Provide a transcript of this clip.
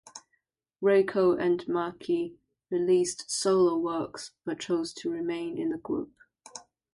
Reiko and Maki released solo works but chose to remain in the group.